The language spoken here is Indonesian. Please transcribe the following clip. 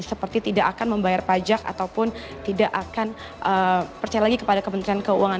seperti tidak akan membayar pajak ataupun tidak akan percaya lagi kepada kementerian keuangan